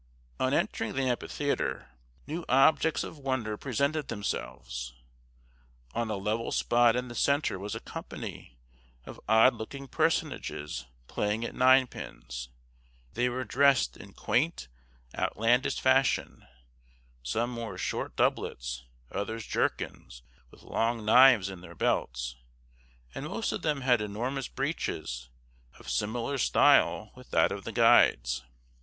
On entering the amphitheatre, new objects of wonder presented themselves. On a level spot in the centre was a company of odd looking personages playing at ninepins. They were dressed in quaint outlandish fashion; some wore short doublets, others jerkins, with long knives in their belts, and most of them had enormous breeches, of similar style with that of the guide's.